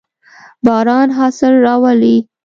باران حاصل راولي.